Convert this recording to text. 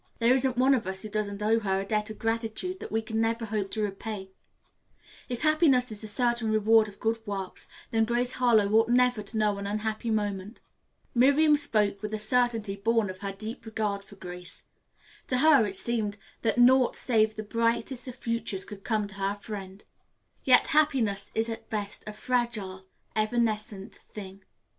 "There isn't one of us who doesn't owe her a debt of gratitude that we can never hope to repay. If happiness is the certain reward of good works, then Grace Harlowe ought never to know an unhappy moment." Miriam spoke with a certainty born of her deep regard for Grace. To her it seemed that naught save the brightest of futures could come to her friend. Yet happiness is at best a fragile, evanescent thing.